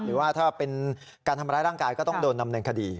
หรือว่าถ้าเป็นการทำร้ายร่างกายก็ต้องโดนดำเนินคดี